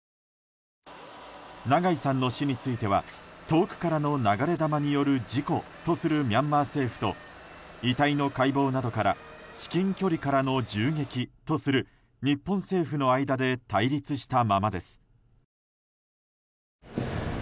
長井さんの死については遠くからの流れ弾による事故とするミャンマー政府と遺体の解剖などから至近距離からの銃撃とする日本政府の間で対立したままです。